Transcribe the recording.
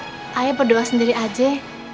ayah berdoa sendiri aja